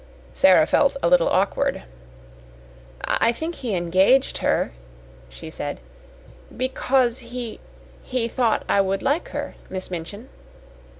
Sara felt a little awkward. "I think he engaged her," she said, "because he he thought I would like her, Miss Minchin."